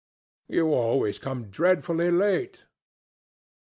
"You always come dreadfully late."